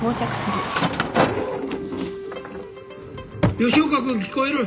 吉岡君聞こえる？